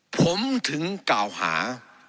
ผมถึงกล่าวหา